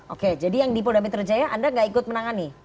oke jadi yang dipolda metro jaya anda gak ikut menangani